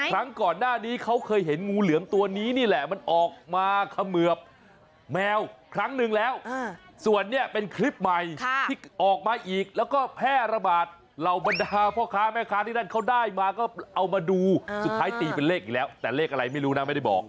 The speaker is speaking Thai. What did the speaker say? ครั้งก่อนหน้านี้เขาเคยเห็นงูเหลือมตัวนี้นี่แหละมันออกมาเขมือบแมวครั้งหนึ่งแล้วส่วนเนี่ยเป็นคลิปใหม่ที่ออกมาอีกแล้วก็แพร่ระบาดเหล่าบรรดาพ่อค้าแม่ค้าที่นั่นเขาได้มาก็เอามาดูสุดท้ายตีเป็นเลขอีกแล้วแต่เลขอะไรไม่รู้นะไม่ได้บอก